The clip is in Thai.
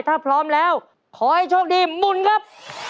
ถ้าพร้อมแล้วขอให้โชคดีหมุนครับ